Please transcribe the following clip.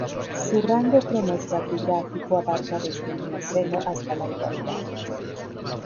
Su rango cronoestratigráfico abarca desde el Mioceno hasta la actualidad.